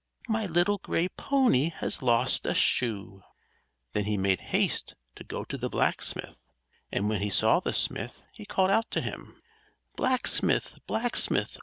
My little gray pony has lost a shoe_!" Then he made haste to go to the blacksmith; and when he saw the smith, he called out to him: "_Blacksmith! Blacksmith!